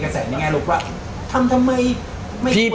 แสดงยังไงลูกว่าทำทำไม